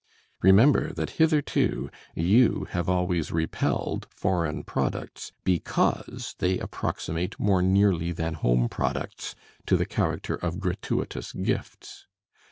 Remember that hitherto you have always repelled foreign products, because they approximate more nearly than home products to the character of gratuitous gifts.